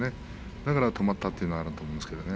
だから止まったというのもあるんですけどね。